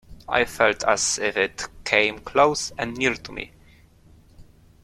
I felt as if it came close and near to me.